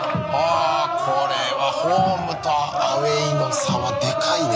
あこれはホームとアウェーの差はでかいね。